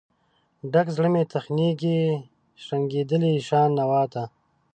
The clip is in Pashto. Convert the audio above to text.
ډک زړه مې تخنیږي، شرنګیدلې شان نوا ته